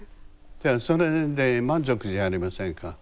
じゃあそれで満足じゃありませんか。